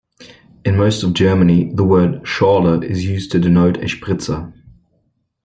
In most of Germany, the word "Schorle" is used to denote a Spritzer.